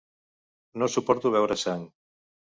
No suporto veure sang.